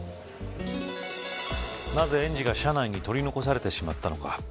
なぜ園児が車内に取り残されてしまったのか。